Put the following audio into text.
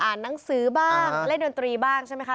หนังสือบ้างเล่นดนตรีบ้างใช่ไหมคะ